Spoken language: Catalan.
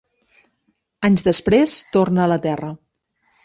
Anys després, torna a la Terra.